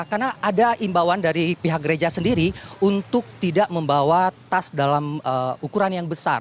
karena ada imbauan dari pihak gereja sendiri untuk tidak membawa tas dalam ukuran yang besar